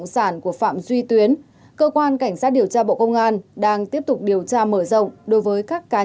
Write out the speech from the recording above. southern hà nội